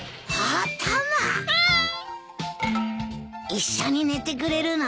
一緒に寝てくれるの？